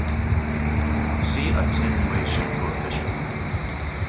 See Attenuation coefficient.